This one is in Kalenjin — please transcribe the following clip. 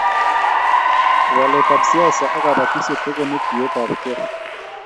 walet ab siasa ak kabatishiet kokonu tiet ab gee